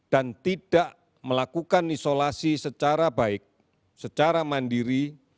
dan tidak melakukan isolasi secara baik secara mandiri